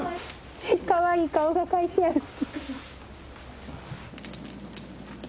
かわいい顔が描いてある！